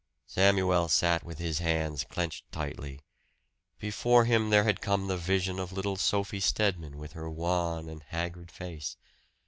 Samuel sat with his hands clenched tightly. Before him there had come the vision of little Sophie Stedman with her wan and haggard face!